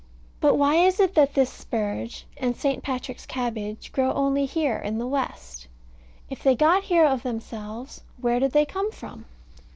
But why is it that this spurge, and St. Patrick's cabbage, grow only here in the west? If they got here of themselves, where did they come from?